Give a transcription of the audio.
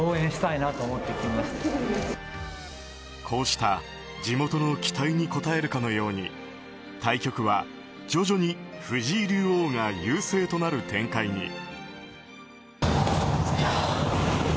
こうした地元の期待に応えるかのように対局は徐々に藤井竜王が優勢となる展開に。